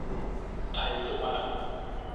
ไทยมิตซูวา